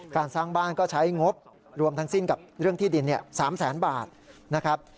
การสร้างบ้านก็ใช้งบรวมทั้งสิ้นกับเรื่องที่ดิน๓แสนบาทนะครับ